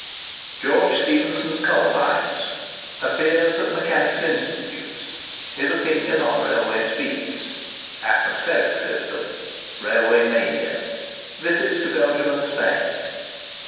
GEORGE STEPHENSON'S COAL MINES—APPEARS AT MECHANICS' INSTITUTES—HIS OPINION ON RAILWAY SPEEDS—ATMOSPHERIC SYSTEM—RAILWAY MANIA—VISITS TO BELGIUM AND SPAIN.